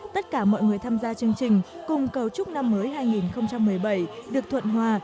tất cả mọi người tham gia chương trình cùng cầu chúc năm mới hai nghìn một mươi bảy được thuận hòa